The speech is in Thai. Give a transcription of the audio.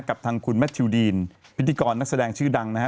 กับทางคุณแมททิวดีนพิธีกรนักแสดงชื่อดังนะฮะ